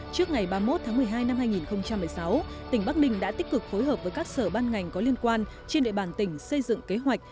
trước ngày ba mươi một tháng một mươi hai năm hai nghìn một mươi sáu tỉnh bắc ninh đã tích cực phối hợp với các sở ban ngành có liên quan trên địa bàn tỉnh xây dựng kế hoạch